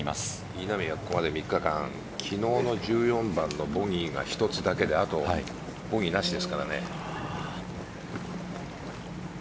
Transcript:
稲見はここまで３日間昨日の１４番のボギーが１つだけであとはボギーなしですからね。